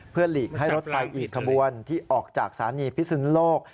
เพื่อหลีกให้รถไฟอีกขบวนที่ออกจากสถานีพิสุนุโลก